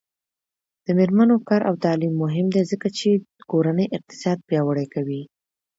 د میرمنو کار او تعلیم مهم دی ځکه چې کورنۍ اقتصاد پیاوړی کوي.